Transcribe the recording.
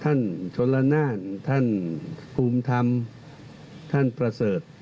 ชนละนานท่านภูมิธรรมท่านประเสริฐ